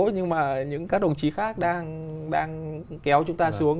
nhưng mà những các đồng chí khác đang kéo chúng ta xuống